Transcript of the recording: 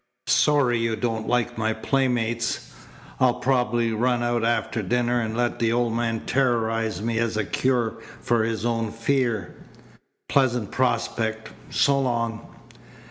"Sorry you don't like my playmates. I'll probably run out after dinner and let the old man terrorize me as a cure for his own fear. Pleasant prospect! So long."